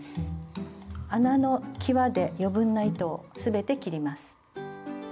穴のきわで余分な糸をすべて切ります。